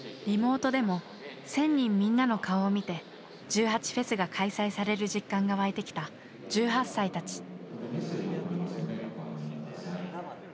リモートでも１，０００人みんなの顔を見て１８祭が開催される実感が湧いてきた１８歳たち。